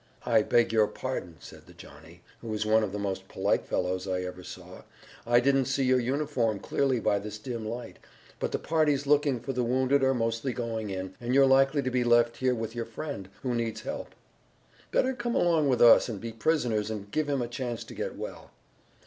'I beg your pardon,' said the Johnny, who was one of the most polite fellows I ever saw, 'I didn't see your uniform clearly by this dim light, but the parties looking for the wounded are mostly going in, and you're likely to be left here with your friend, who needs attention. Better come along with us and be prisoners and give him a chance to get well.'